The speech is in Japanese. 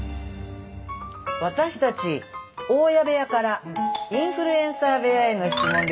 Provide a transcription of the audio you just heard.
私たち大家部屋からインフルエンサー部屋への質問です。